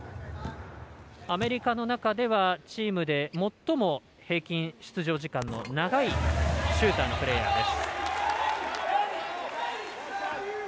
アメリカの中ではチームで最も平均出場時間の長いシューターのプレーヤーです。